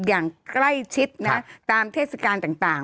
อย่างใกล้ชิดนะตามเทศกาลต่าง